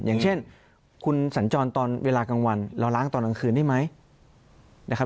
อย่างเช่นคุณสัญจรตอนเวลากลางวันเราล้างตอนกลางคืนได้ไหมนะครับ